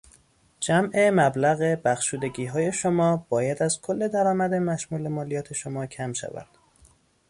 جمع مبلغ بخشودگیهای شما باید از کل درآمد مشمول مالیات شما کم شود.